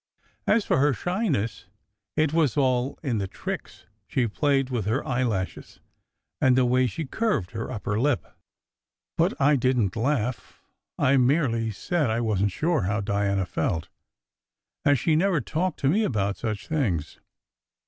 As for her shyness, it was all in the tricks she played with her eyelashes and the way she curved her upper lip. But I didn t laugh. I merely said I wasn t sure how Diana felt, as she never talked to me about such things.